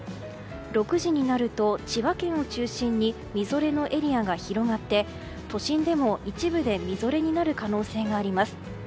６時になると千葉県を中心にみぞれのエリアが広がって都心でも一部でみぞれになる可能性があります。